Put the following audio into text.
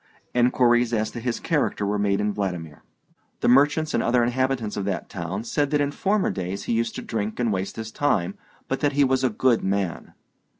Enquiries as to his character were made in Vladimir. The merchants and other inhabitants of that town said that in former days he used to drink and waste his time, but that he was a good man.